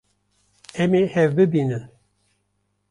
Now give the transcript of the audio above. Em ê hev bibînin.